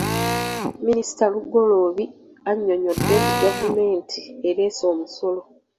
Minisita Lugoloobi annyonnyodde nti gavumenti ereese omusolo.